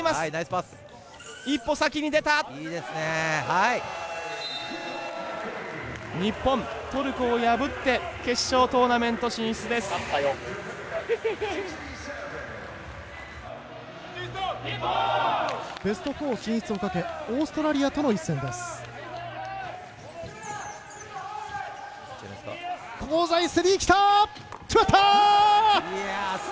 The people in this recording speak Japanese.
ベスト４進出をかけオーストラリアとの一戦です。